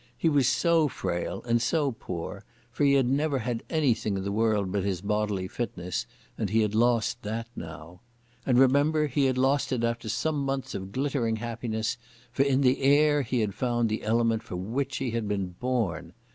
He was so frail and so poor, for he had never had anything in the world but his bodily fitness, and he had lost that now. And remember, he had lost it after some months of glittering happiness, for in the air he had found the element for which he had been born.